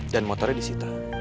dan motornya disita